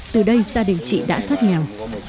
từ đây gia đình chị đã thoát nghèo